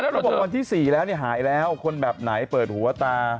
เขาบอกวันที่๔แล้วหายแล้วคนแบบไหนเปิดหัวตา